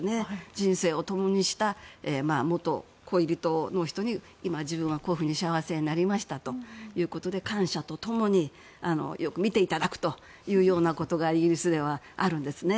人生を共にした元恋人の人に今、自分はこういうふうに幸せになりましたということで感謝と共によく見ていただくということがイギリスではあるんですね。